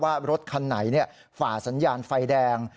ว่ารถคันไหนฝ่าสัญญาณไฟแดง